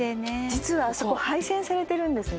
実はあそこ廃線されてるんですね。